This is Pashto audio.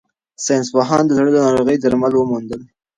ساینس پوهانو د زړه د ناروغیو درمل وموندل.